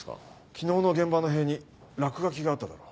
昨日の現場の塀に落書きがあっただろ。